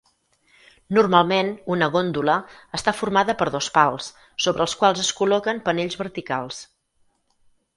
Normalment, una góndola està formada per dos pals, sobre els quals es col·loquen panells verticals.